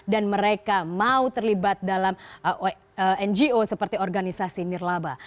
dan mereka mau terlibat dalam ngo seperti organisasi nirlaba